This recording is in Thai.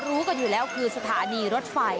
รู้กันอยู่แล้วคือสถานีรถไฟ